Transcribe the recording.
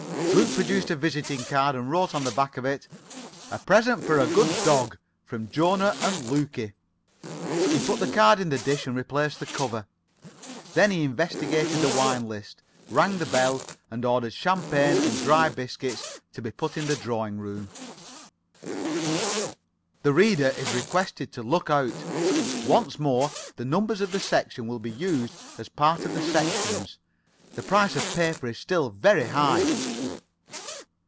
Luke produced a visiting card, and wrote on the back of it: "A Present for a Good Dog. From Jona and Lukie!" He put the card in the dish and replaced the cover. Then he investigated the wine list, rang the bell, and ordered champagne and dry biscuits to be put in the drawing room. [Pg 86](The reader is requested to look out. Once more the numbers of the section will be used as a part of the sections. The price of paper is still very high.)